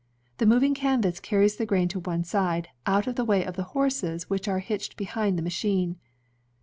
The moving canvas carries the grain to one side, out of the way of the horses which are hitched behind the machine.